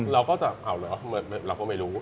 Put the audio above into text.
เราก็จะเอาเหรอเราก็ไม่รู้